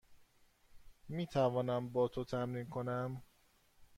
می توانم با تو تمرین کنم؟